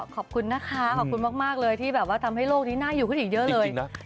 ขอบคุณนะคะขอบคุณมากเลยที่แบบว่าทำให้โลกนี้น่าอยู่ขึ้นอีกเยอะเลยนะ